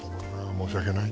申し訳ない。